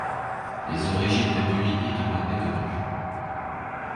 Les origines de Bulligny demeurent méconnues.